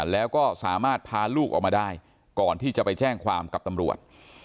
แล้วก็สามารถพาลูกออกมาได้ก่อนที่จะไปแจ้งความกับตำรวจ